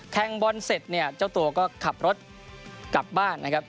แข่งบอลเสร็จเจ้าตัวก็ขับรถกลับบ้าน